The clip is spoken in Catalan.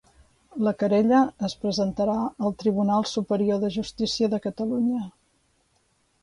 La querella es presentarà al Tribunal Superior de Justícia de Catalunya